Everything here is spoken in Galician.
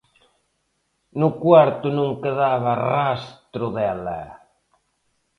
No cuarto non quedaba rastro dela.